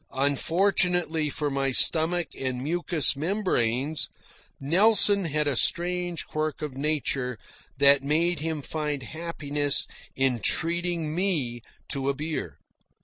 Unfortunately for my stomach and mucous membranes, Nelson had a strange quirk of nature that made him find happiness in treating me to beer.